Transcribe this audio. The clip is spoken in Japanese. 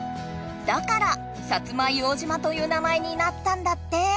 だから薩摩硫黄島という名前になったんだって。